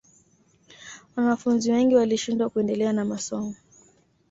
wanafunzi wengi walishindwa kuendelea na masomo